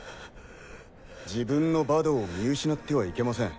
自分のバドを見失ってはいけません。